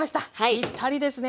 ぴったりですね。